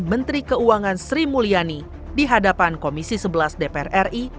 menteri keuangan sri mulyani di hadapan komisi sebelas dpr ri